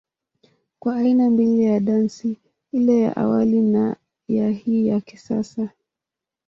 Kuna aina mbili ya dansi hii, ile ya awali na ya hii ya kisasa.